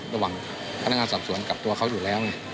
ระหว่างพนักงานสอบสวนกับตัวเขาอยู่แล้ว